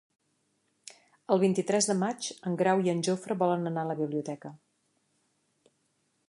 El vint-i-tres de maig en Grau i en Jofre volen anar a la biblioteca.